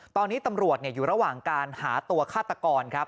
ตอนนี้ตำรวจอยู่ระหว่างการหาตัวฆาตกรครับ